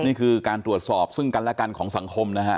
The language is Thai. นี่คือการตรวจสอบซึ่งกันและกันของสังคมนะฮะ